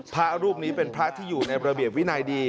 พระรูปนี้เป็นพระที่อยู่ในระเบียบวินัยดี